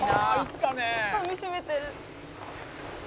「かみしめてる」